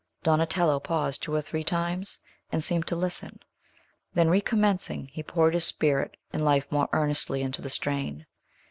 Donatello paused two or three times, and seemed to listen, then, recommencing, he poured his spirit and life more earnestly into the strain.